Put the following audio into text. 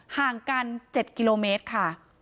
ห่างกัน๗กิโลเมตรค่ะ